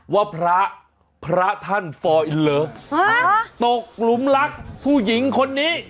ว่าพระพระท่านฟอร์อินเลิฟตกหลุมรักผู้หญิงคนนี้